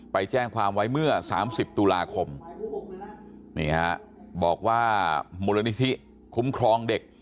ไปแจ้งความไว้เมื่อ๓๐ตุลาคมนี่ฮะบอกว่ามูลนิธิคุ้มครองเด็ก